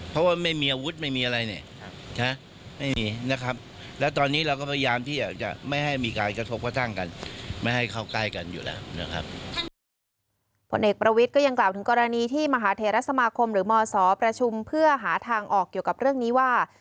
ผลเอกประวิทย์ก็ยังกล่าวถึงกรณีที่มหาเทรสมาคมหรือมศประชุมเพื่อหาทางออกเกี่ยวกับเรื่องนี้ว่า